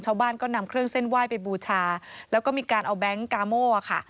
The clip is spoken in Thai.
ชาวบ้านก็นำเครื่องเส้นไหว้ไปบูชาแล้วก็มีการเอาแก๊งกาโม่ค่ะ